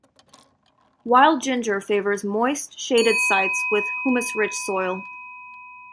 Wild ginger favors moist, shaded sites with humus-rich soil.